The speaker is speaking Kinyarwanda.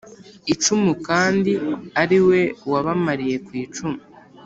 icumu kandi ari we wabamariye ku icumu.